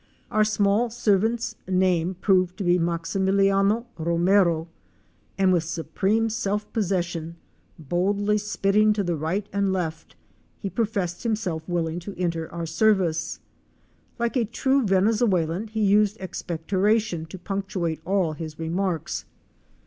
Our small servant's name proved to be Maximiliano Ro mero, and with supreme self possession, boldly spitting to the right and left, he professed himself willing to enter our service. Like a true Venezuelan he used expectoration to punctuate all his remarks.